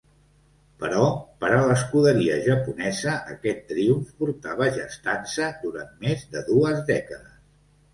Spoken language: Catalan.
Però, per a l'escuderia japonesa aquest triomf portava gestant-se durant més de dues dècades.